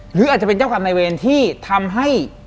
หรืออาจจะเป็นเจ้ากรรมนายเวรที่ทำให้